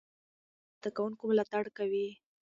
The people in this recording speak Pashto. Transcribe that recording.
ښوونځی به د زده کوونکو ملاتړ کوي.